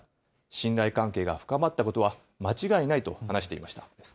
信頼関係が深まったことは間違いないと話していました。